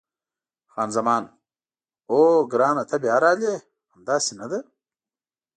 خان زمان: اوه، ګرانه ته بیا راغلې! همداسې نه ده؟